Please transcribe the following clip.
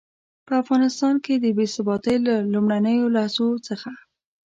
په افغانستان کې د بې ثباتۍ له لومړنيو لحظو څخه.